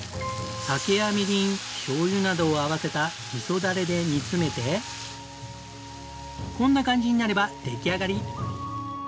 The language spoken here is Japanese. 酒やみりんしょうゆなどを合わせた味噌だれで煮詰めてこんな感じになれば出来上がり。